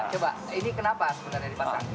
coba ini kenapa sebenarnya dipasang